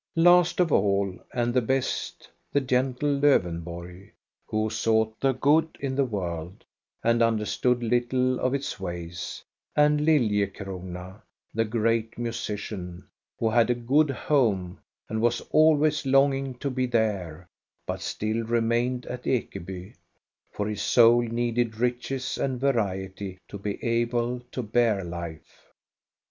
Last oi all, and the best, the gentle Lovenborg, who sought the good in the world, and understood little of its ways, aijdLiUiecrona, the great musician. 38 THE STORY OF GOSTA BERLING who had a good home, and was always longing to be there, but still remained at Ekeby, for his soul needed riches and variety to be able to bear life.